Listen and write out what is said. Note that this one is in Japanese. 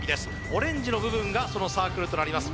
オレンジの部分がそのサークルとなります